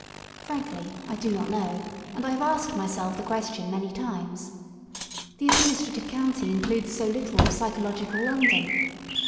Frankly, I do not know, and I have asked myself the question many times. The Administrative County includes so little of psycho logical London.